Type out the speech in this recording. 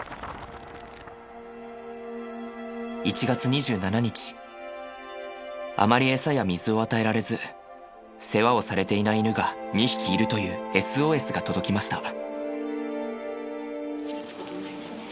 １月２７日あまりエサや水を与えられず世話をされていない犬が２匹いるというＳＯＳが届きました。